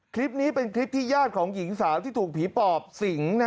คลิปนี้เป็นคลิปที่ญาติของหญิงสาวที่ถูกผีปอบสิง